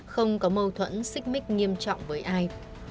không có mâu thuẫn xích mích nghiêm trọng với ai